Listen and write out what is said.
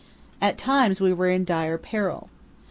At times we were in dire peril.